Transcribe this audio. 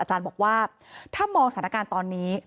อาจารย์บอกว่าถ้ามองสถานการณ์ตอนนี้